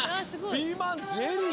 ピーマンゼリー！